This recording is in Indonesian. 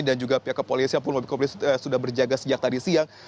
dan juga pihak kepolisian pun mobil kepolisian sudah berjaga sejak tadi siang